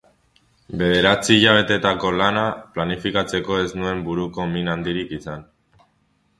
Bederatzi hilabeteetako lana planifikatzeko ez nuen buruko min handirik izan.